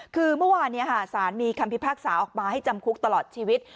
คือเมื่อวานสารมีคำพิพากษาออกมาให้จำคุกตลอดชีวิต